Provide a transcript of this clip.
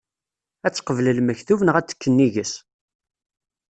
Ad teqbel lmektub, neɣ ad tekk nnig-s?